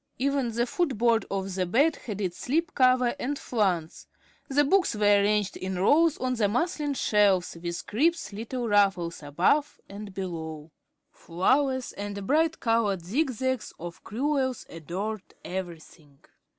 Even the foot board of the bed had its slip cover and flounce. The books were ranged in rows on the muslin shelves with crisp little ruffles above and below. Flowers and bright colored zig zags of crewels adorned everything.